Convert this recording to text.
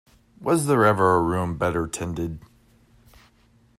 Was there ever a room better tended?